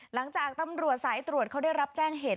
หลังจากตำรวจสายตรวจเขาได้รับแจ้งเหตุ